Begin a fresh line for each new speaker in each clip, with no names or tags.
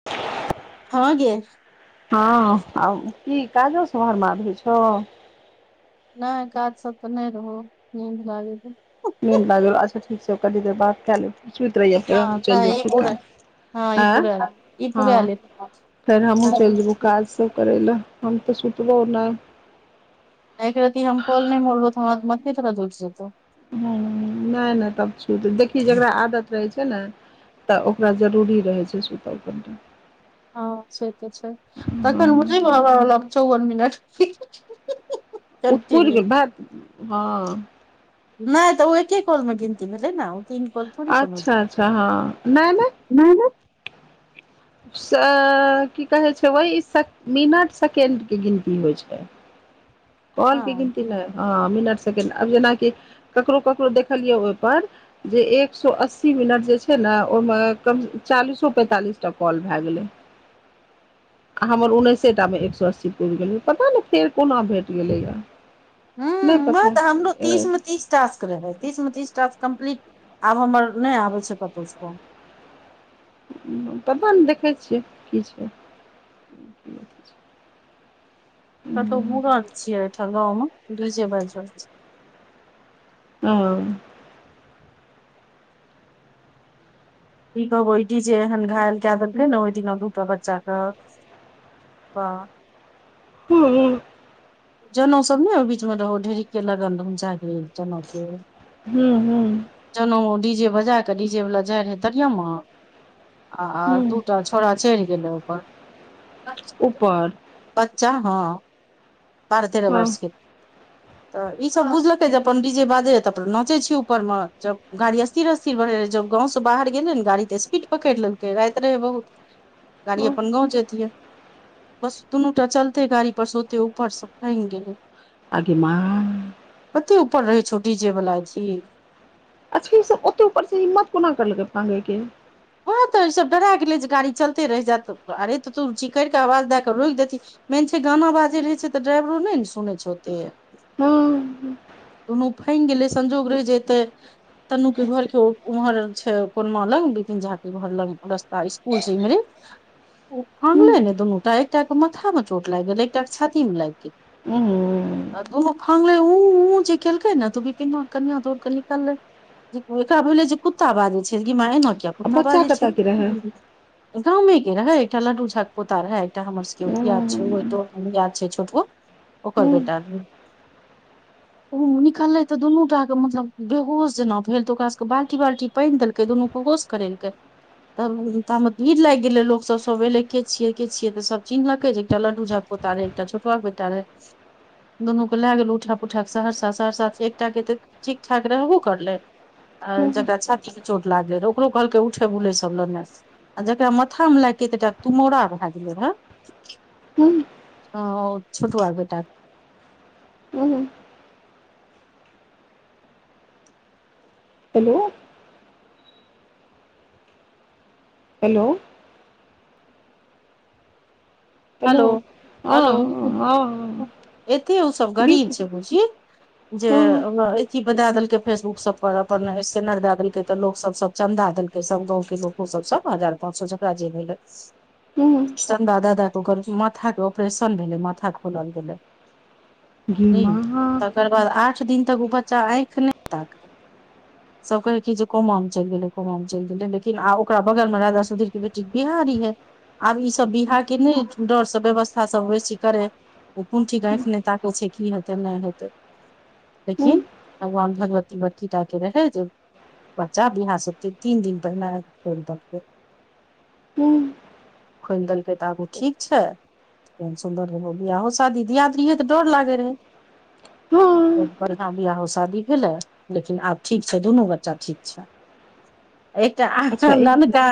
[inaudible]
हँ गे
हँ आ की काजो सब हरमाद होइ छौ
नहि काज सब तऽ नहि रहौ नीन्द लागै छै
नींद लागल हौ अच्छा ठीक छै कनी देर बात कै ले फेर सुति रहिहें फेर
हँ
हमहुँ चलि
नहि ई
जेबौ
पूरा हँ
[unintelligible]
ई
आँ
पूरा ई पूरा
हँ
आले
फेर हमहूँ चलि जेबहु काज सब करय लए हम तऽ सुतबो नइ
एक रति हम कोल नहि मरलो त हमरा मथे दरद उइढ़ जेतौ
हं नहि नहि तब छूत देखी जेकरा आदत रहै छै ने तऽ ओकरा जरूरी रहै छै सुत क
हँ से त छै
हँ
तखन बझल [unintelligible] चौवन मिनट
उतपुर
कंटिन्यू
के भै हँ
नय त ओ एके कॉल मे गिनती भेलै ने ओ तीन कॉल
अच्छा अच्छा हँ नय नय
नय नय
सै की कहे छै वही स मिनट सेकेंड के गिनती होइ छै कॉलके
हँ
गिनती नहि हँ मिनट सेकेण्ड आब जेनाकि ककरो ककरो देखलियै ओहिपर जे एक सो अस्सी मिनट जे छै ने ओहिमे कम चालीसो पैंतालिस टा कॉल भए गेलै हमर उनइसेटामे एक सौ अस्सी पुड़ गेल पता नहि फेर कोना भेल गेलैआ
हं वैह तऽ हमरो तीस में तीस टास्क रहे तीस मे तीस टास्क कम्प्लीट आब हमर नहि आबे छै कतहु से
पता नय देखै छियै की छै [inaudible]
कतहु मुरन छियै ठाम गाँव मे डीजे बाजि रहल छी
अं
ठीक है ईठी जेहन घायल कए देेलैकेने ओ दिना रूक तबच्चा क बा
हूँ
जनाउ सब ने ओहि बीच मे रहो ढेरिके लगन रह जनउ के
हूँ हूँ
जना डी जे बजा क डीज वला जाय रहे तरियमा आ
हँ
दूटा थोड़ा चढ़ि गेलै ओकर
ऊपर
बच्चा हँ बारह तेरह
हँ
बर्षके त ई सब बुझलकै जे अपन डी जे बाजे त अपन नाचे छी ऊपर मे जब गाड़ि स्थिरे स्थिर बढे रहे जब गाँव सँ बाहर गेले ने गाड़ी त स्पीड पकइड़ लेलकै राइत रहै बहुत गाड़ी अपन गाँव जतीय बस दुनू टा चलते गाड़ी पर ओते ओ परस फांइग गेले
आगेमाय
कते ऊपर रहै छौ डीजे वला अथी
अच्छा इ सब ओते ऊपर से हिम्मत कोना करलकै फांगे के
हं त ई सब डरा गेलै जे गाड़ी चलते रहि जायत अरे त तू चिकर क आवाज दए क रोक देती मेन छै गाना बाजै रहै छै त ड्राइवरो नय ने सुनै छै ओते
हँ
दुनू फइंग गेलै संजोग रहे जे येते तनु के घर उहर छै कोनमा लग झा के घर लग रस्ता स्कुल से इमेरे ओ फांगलै ने दुनूटा एकटा के माथा मे चोट लाग गेलय एकटा के छाति में लाग गेल
आ
आ दुनू फांगलै उ उ जे केलकै ने बिपीनमा के कनिआ दौड़ क निकललै एकरा भेले जे कुत्ता बाजै छै कि गे माय एना किया कुत्ता
बच्चा
बाजे
कतऽ
छै
के रहै
गाँमे के रहय एकटा लडू झा क पोता रहे एकटा हमरा सके दियाद छै छोटू ओकर बेटा रहे
ह [inaudible]
उ निकललै त दुनू टा के मतलब बेहोश जेना भेल त ओकरा सबके बाल्टी बाल्टी पइन देलकै दुनू के होश करेल के तब ता मे भीड़ लाइग गेले लोक सब येले के छिय के छिये त सब चिन्हलके जे एकटा लड्डू झा पोता रहय एकटा छोटवा के बेटा रहे दुनू के लए गेल उठा पुठा सहरसा सहरसा एकटा क ठीक ठाक रहबो करले आ जकरा छाती मे चोट लागै रह ओकरो कहलके उठे बुलै सब ले ने आ जकरा माथा मे लाइगके ऐतेटा तुमौरा भए गेल रहे
हूँ
हं ओ छोटुआ के बेटा
हूँ हेलो हेलो हेलो
हलो
हँ
हलो
हँ
एते ओ सब
बीच
गरीब छै बुझी जे
हँ
ओ चीप द देलकय फेसबुक सब पर अपन सेनर द देलकय त लोक सब चन्दा देलकय सब गाँव के लोक ओ सब सब हार पच सए जकरा जे भेलय
हूँ
चन्दा द दऽ कर माथा के ऑपरेशन भेलै माथा खोलल गेले
गे
हं
माँ
तकर बाद आठ दिन तक ओ बच्चा आँख नहि ताकै
ह [inaudible]
सब कहै कि जे कोमा मे चइल गेलै कोमा मे चइल गेलै लेकिन आ ओकरा बगल में राजा सुधीर के बेटी बिहा रीये आब ईसब बियाहके नै डरसँ व्यवस्था सब बेसी करै कोन ठीक आँइख नय ताके छै की हेतै नहि हेतै
हँ
लेकिन भगवान भगवती बरकी टा के रहे जे बच्चा यहाँ सबके तीन दिन पहिने
हूँ
खोइल देलकड त आब ओ ठीक छ केहन सुन्दर रह बियाहो शादी दियाद रहियै तऽ डर लागे रहै बढ़िआँ बियाहो शादी भेलै लेकिन आब ठीक छै दुनू बच्चा ठीक छै एकटा
अच्छा
आँहा
एक
ननका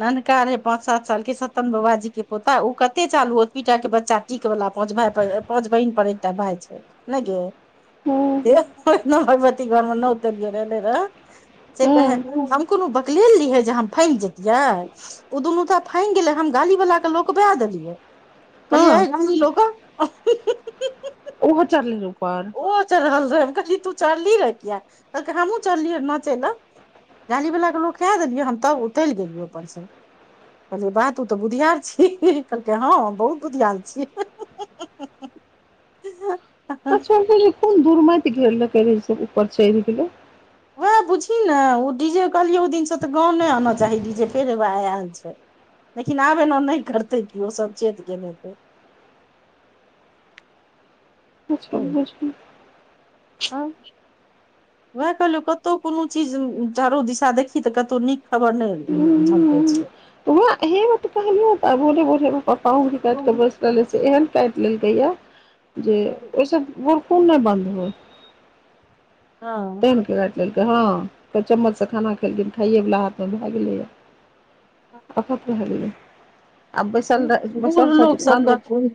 ननका रहे पाच सात साल के सतन बबाजी के पोता ओ क ते चालू ओतबी टा के बच्चा टिक वला पांच भय पर पाँंच बहिन पर एकटा भाई छै नय गे
हँ
[unintelligible] भगवती घर में नत [unintelligible] रहय से
हँ
कहे हम कोनो बकले ल लीहे जे हम फइंग जतियै ओ दुनू त फइंग गेलै हम गाली वला के लोकवा देलियै कहलियै
हँ
हे गाली लोक क
ओहो चढ़ले रूपर
ओ चढ़ल रहे कहली तू चढ़ली रे किया कहलक हमहूँ चढ़लियै नाचै लए गाली वला के लोका देलियै हम तब उतल गेलियै अपन से
ह
कहलियै बा तू तऽ बुधियार छी कहलकै हँ बहुत बुधियार छी
[unintelligible] कोन दुरमइत घेट लेलकय जे इ सब ऊपर चइढ़ गेलइ
उएह बुझही ने ओ डी जे कहलियै ओहि दिनसँ तऽ गाँव नहि आना चाही डी जे फेर आयल छै लेकिन आब एना नहि करते क ओ सब चेत गेल हेतै
बछ ब [inaudible]
हम वएह कहलियौ कतहु कोनो चीज चारो दिशा देखी तऽ कतहु नीक खबर ने झलटे छै
ओ [unintelligible] हे बात कहली ह त बो बोल प्पा शिक ब एहन काटि लेलकै या जे ओहिस भोरखून नहि बंन्द हुए
हँ
काटि लेलकै हँ चम्मच से खाना खेलखिन खाइए वला हाथ मे भए गेले आफत भाह गेलै आ बैसल
बुर
बैसल
लोग
छथिन
सब
अन्दर
कऽ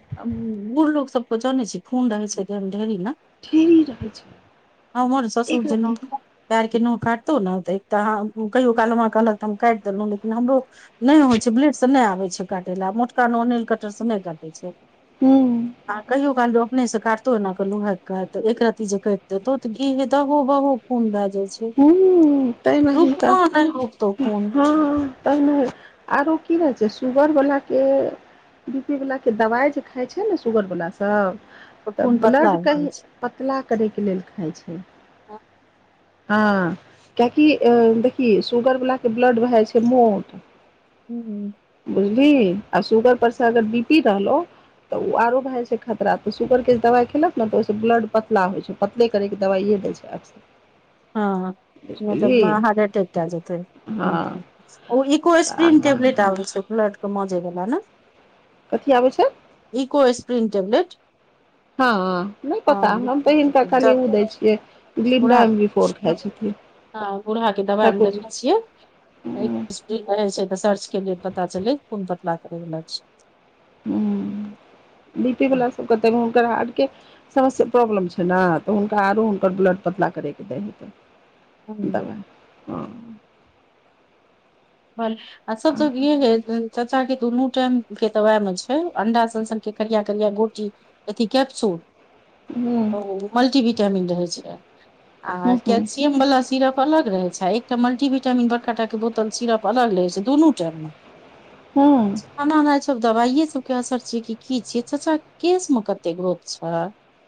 बुढ़ लोग सबके जानै छी खून रहै छै ढेरीक ने
ठेरी रहै छै
हमर शशुर
एक
जे न
रती
पेड़ के नह काटतहु ने तऽ एक तऽ कहियो काल कहलक तऽ हम काटि देलहुँ लेकिन हमरो नहि होइ छै ब्लेड से नहि आबे छै काटे ल मोटका तैह नेल कटर से नहि काटै छै
हूँ
आ कहियो काल जो अपने से काटतो न क लुहेक काट एक रती जे देतो तऽ घी मे दहो बहु खुन बाजै छै
हू तै लेल हिनका
रुकतो नहि रुकतौ खून
हँ तैमे आरो की रहै छै सुगर वला के बी पी वलाके दबाइ जे खाइ छै ने सुगरवलाास सभ तऽ
खून पतला
ब्लड
रहै
कहीँं पतला करैके लेल खाइ छै
आ [inaudible]
हँ कियकि अ देखी सुगर वला के ब्लड भाय जाय छै मोट
हूँ
बुझली आ सुगर परसँ अगर बी पी रहलो तऽ ओ आरो भए जाइ छै खरा तऽ श सुगरके जे दबाइ खेलक ने तऽ ओहिसँ ब्लड पतला होइ छै पतले करैके दवाइए दै छै
हँ हँ नहि
बुझलिही
तब हार्ट अटैक काय जेतै
हँ
ओ इकोस्प्रिन टेब्लेट आब छै ब्लड के माजे बला ने
कथि आबै छै
इको ए्स्प्रिन टेबलेट
हँ नहि
हँ
पता हम तऽ हिनका खाली ओ दै छियै ब्लिंडावी
हँ बूढ़ाहाके दबाइमे
ठाकुर जी
देखैने छियै
हूँ
कि करै छै तऽ सर्चे केलियै पता चल कोन पतला करै वाल छै
हूं बी पी
छै
वला सबके त [unintelligible] मुम के राहर के समस्य प्रॉब्लम छै ने तऽ हुनका आरो हुनकर ब्लड पतला करयके दै लेल
हूँ
दबा हँ
बाल [unintelligible] आ सबसँ चाचा के दुन्नू टाइम के दबाई मे छै अंडा सनसन के करिया करिया गोटी अथि कैप्सूल
हूँ
ओ मल्टी विटामिन रहै छै आ
हूँ हूँ
कैलसियम वाला सिरप अलग रहै छै एकटा मल्टीविटामिन बड़काटा के बोतल सिरप अलग लै छै दुनू टाइम मे
हूंम्म
नै हमरा ई सब दवाइये सब के असर छै कि की छियै चच्चा केश मे कते गोप छै।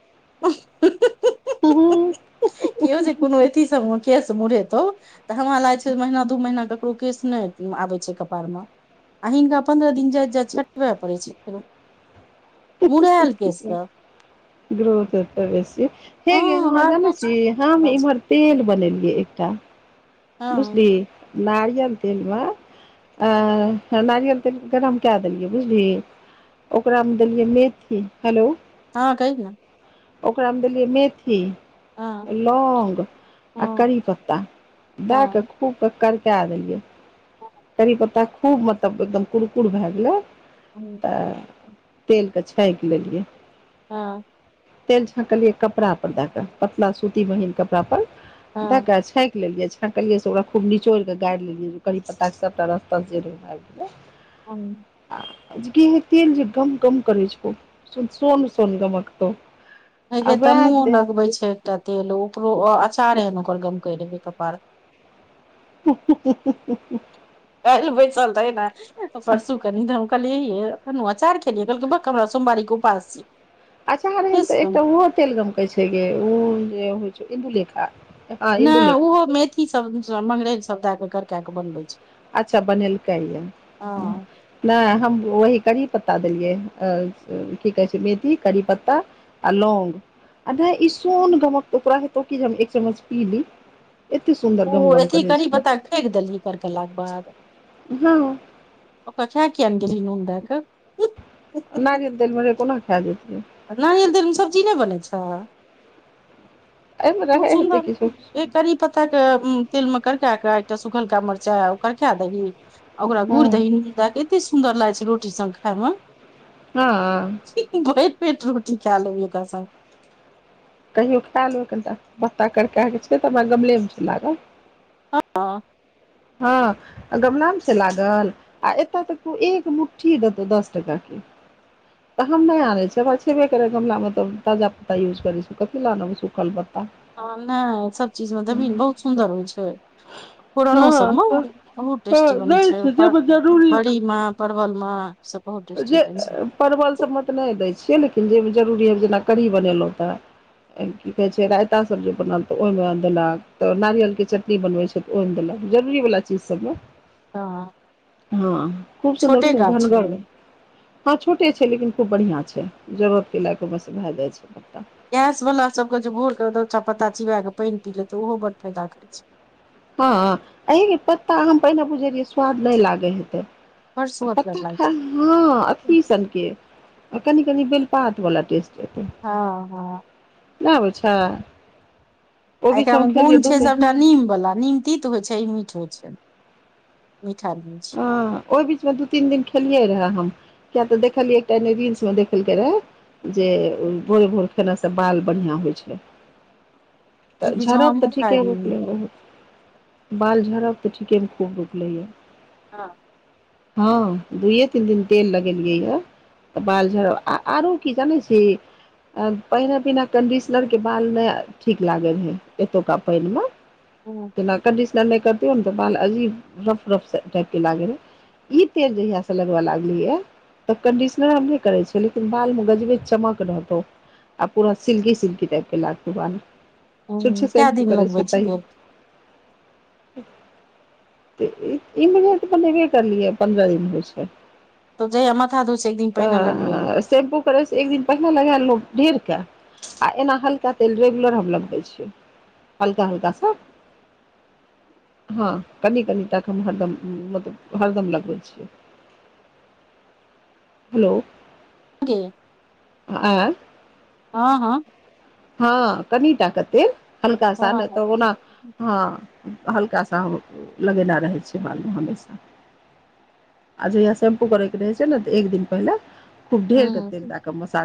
[inaudible]
केओ जे कोनो अथी सब केश मुुरेतौ तऽ हमरा लागै छै महीना दू महीना ककरो केस नहि आबै छै कपाड़मे आ हिनका पन्द्रह दिन जाइत जाइत छटबय पड़ै छै फेरो मुड़ायल केस के
ग्रोथ हेतै बेसी हे गे एगो
हँ
बात जानै छीही हम इम्हर तेल बनेलियै एकटा
हँ
बुझली नारियल तेलमे आ नारियल तेल के गरम कए देलियै बुझलिही ओकरा मे देलियै मेथी हेलो
हँ कहि न
ओकरामे देलियै मेथी
हँ
आ लौंग आ
हँ
करी पत्ता दए कऽ
हँ
खूब के कड़कै देलियै करि पत्ता खूब मतलब एकदम कुरकुर भए गेलै
हूंम्म
तऽ तेलके छाँयक लेलियै
हँ
तेल छाँकलियै कपड़ा पर दए कऽ पतला सूती महीन कपड़ा पर द
हँ हँ
के आ छाँकि लेलियै छाँकलियै से ओकरा खूब निचोड़ कऽ गारि लेलियै जे कहलियै पत्ता के सबटा रस तस जे रहै भे गेेलै
हूंम्म
आजे गे उ तेल जे गम गम करै छौ सोन सोन गमकतौ
हे
आ
गे
वएह
तनुओं
तेल
लगबै छै एकटा तेल ओकरो अ अँचार एहन ओकर गमकै रहै कपार
[unintelligible]
काल्हि बैसल रहै न आ परसू कनि तऽ हम कलियै आँय ये तनु अँचार खेलियै तऽ कहलकै बक्क हमरा सोमवारीके उपास छी
अँचार एहन तऽ एकटा उहो तेल गमकै छै गे ओ जे होइ छौ इंदुलेखा
नहि उहो मेथी सब मंगरैल सब दए कऽ करका कऽ बनबै छै
अच्छा बनेलकै ये
हँ
नहि हम वही करी पत्ता देलियैहन की कहै छै मेथी करी पत्ता आ लौंग आ नहि ई सोन गमकतौ तोरा हेतौ कि जे हम एक चम्मच पी ली एत्ते सुन्दर गम गम करै छै
छाँकि देलही कड़कला के बाद
हँ
ओकरा खै किया नै देलही नून दै कऽ
नारियल तेलमे रहै कोना खा जैतियै।
नारियल तेलमे सब्जी नहि बनै छै
एहिमे
बहुत
रहै हेतै
सुन्दर
किछो
ए
किछो
करी पत्ता पत्ता के तेल मे करके कऽ आ एकटा सुखलका मिरचाइ करका देबही आ ओकरा गुड़ि दही नून दए कऽ एतेक सुन्दर लागै छै रोटी संगे खायमे
हँ
भरि पेट रोटी खे लेबही ओकरा संग
कहियो खै लेबै कनिटा पत्ता करके कऽ छै तऽ हमरा गमलेमे छै लागल
हँ
हँ आ गमलामे छै लागल आ एतय तऽ कियो एक मुट्ठी देतो दस टेकाकेँ [inaudible] तऽ हम नहि आनै छी हमर छेबे करै गमलामे तऽ ताजा पत्ता यूज करै छी कथी ल आनब सुखल पत्ता
हँ नहि सब चीज म देबही नऽ बहुत सुन्दर होइ छै फोरनो
हँ
सब मऽ
तऽ
बहुत
हँ
टेस्टी बनै
नहि
छै पर
जाहिमे जरूरी
बड़ी मऽ परवल मऽ
जे परवल सभमे तऽ नहि दै छियै लेकिन जे जरूरी हइ जेना कढ़ी बनेलहुँ तऽ की कहे छै रायता सब जे बनल तऽ ओहि मे देलक त नारियलकेँ चटनी बनबै छै तऽ ओहिमे देलक जरूरी वाला चीज सबमे
हँ
हँ खूब सुन्दर
छोटे
खूब
गाछ
घनगर
छौ
हँ छोटे छै लेकिन खूब बढ़िआँ छै जरूरतके लायक ओ बस भए जाइ छै
गैस वाला सबके जे भोर कऽ दू टा पत्ता चिबा कऽ पाइन पी लै तऽ ओहो बड फायदा करै छै
हँ ऐहिमे पत्ता हम पहिने बुझै रहियै स्वाद नहि लागेय हेतै
बड़
पत्ता
सुअदगर लागै छै
खर हँ अथी सनकेँ आ कनी कनी बेलपात वाला टेस्ट एतो
हँ हँ
नहि आबै छै ओ
आ
बीच
एकरा
हम
मे
खेलियै
गुन छै
बहुते
सबटा नीम वाला नीम तित हो छै ई मीठ हो छै मिठा निम
हँ ओहि बीच मे दू तीन दिन खेलियै रहे हम किया तऽ देखलियै एकटा रील्स मे देखल केँ रेहै जे भोरे भोर खयनासँ बाल बढ़िआँ होइ छै तऽ
एक बीच मे
झड़ब तऽ
हमहुँ खाय
ठीके [unintelligible]
रहियै
बहुत बाल झड़ब तऽ ठिके मऽ खूब रुकले य
हँ
हँ दुइये तीन दिन तेल लगेलियै य तऽ बाल झड़ आ आरो की जानै छी पहिने बिना कन्डिशनरके बाल नहि ठीक लागै रहै एतुका पाइन मऽ
हँ
जेना कंडिशनर नै करतियै न तऽ बाल अजीब रफ रफ सँ टाइप केँ लागे रहै इ तेल जहिया सँ लगवा लागलीयै ऐ तऽ कंडिशनर हम नहि करे छियै लेकिन बाल मे गजबे चमक रहतौ आ पूरा सिल्की सिल्की टाइप केँ लागतौ बाल छुछै
हूँ कै
सेम्पु
दिन
करै
लगबै
छियै तैयो तऽ इम्हरे त बनेबे करलियै पन्द्रह दिन होइ छै
तऽ जहिया माथा धोय से एक दिन पहिने लगबै
तऽ शेम्पू करै से एक दिन पहिने लगा लेलौ ढेर केँ आ एना हल्का तेल रेगुलर हम लगबै छियै हलका हलका सँ हँ कनि कनिटा कऽ हम हरदम हूँ मतलब हरदम लगबै छिये हेलो
गे,
आँ
हँ हँ
हँ कनिटा कऽ तेल हल्का सा नै तऽ ओना हँ हल्का सा हम लगेने रहे छिये बाल मऽ हमेशा आ जहिया शेम्पू करै केँ रहे छै नऽ एक दिन पहिले खुब ढेर कऽ
हूँ
तेल दै कऽ मसाज